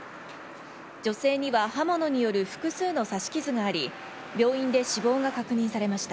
女性には、刃物による複数の刺し傷があり、病院で死亡が確認されました。